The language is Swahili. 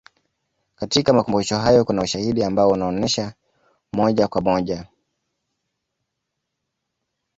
katika makumbusho hayo kuna ushahidi ambao unaonesha moja kwa moja